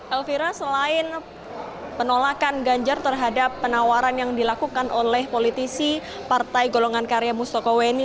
elvira selain penolakan ganjar terhadap penawaran yang dilakukan oleh politisi partai golongan karya mustokoweni